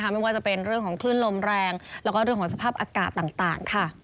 ไม่ว่าจะเป็นเรื่องของคลื่นลมแรงและสภาพอากาศต่าง